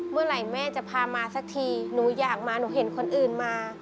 เมื่อไหร่แม่จะพามาสักทีหนูอยากมาหนูเห็นคนอื่นมา